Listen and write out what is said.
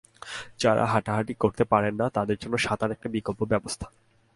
যারা হাঁটাহাঁটি করতে পারেন না, তাঁদের জন্য সাঁতার একটি বিকল্প ব্যবস্থা।